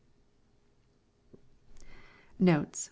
Notes.